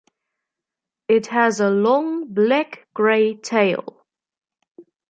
It has a long black-grey tail.